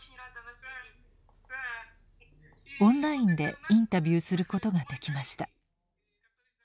オンラインでインタビューすることができました。